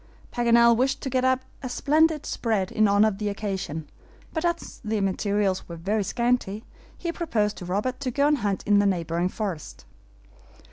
Paganel wished to get up a splendid spread in honor of the occasion, but as the materials were very scanty, he proposed to Robert to go and hunt in the neighboring forest.